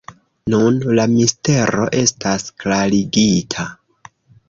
Nun la mistero estas klarigita.